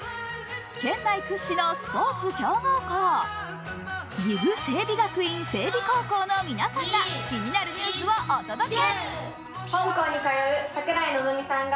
県内屈指のスポーツ強豪校、岐阜済美学院済美高等学校の皆さんが気になるニュースをお届け。